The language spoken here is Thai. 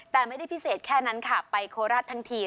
แต่ไม่ได้พิเศษแค่นั้นค่ะไปโคราชทั้งที